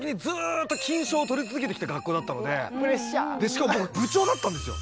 しかも僕部長だったんですよ。